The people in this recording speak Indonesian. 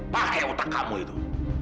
pakai otak kamu itu